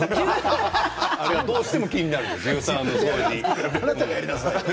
あれがどうしても気になる。